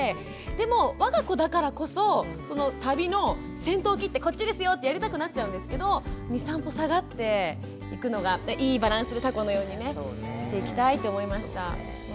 でもわが子だからこそ旅の先頭を切って「こっちですよ」ってやりたくなっちゃうんですけど２３歩下がっていくのがいいバランスのたこのようにねしていきたいと思いました。